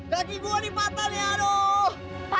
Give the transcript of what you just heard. daki gua ini patah nih